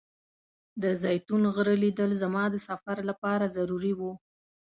د زیتون غره لیدل زما د سفر لپاره ضروري و.